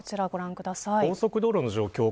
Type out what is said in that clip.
高速道路の状況